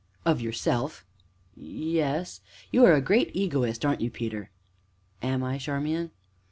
"Of yourself!" "Yes " "You are a great egoist, aren't you, Peter?" "Am I, Charmian?"